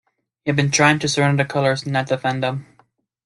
He had been trying to surrender the colours, not defend them.